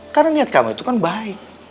karena niat kamu itu kan baik